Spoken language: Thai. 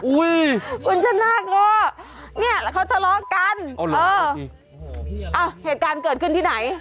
คุณชนะก็เนี่ยแล้วเขาทะเลาะกันเหตุการณ์เกิดขึ้นที่ไหน